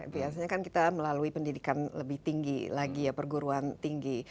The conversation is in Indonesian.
biasanya kan kita melalui pendidikan lebih tinggi lagi ya perguruan tinggi